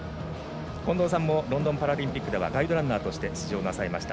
近藤さんもロンドンパラリンピックではガイドランナーとして出場されました。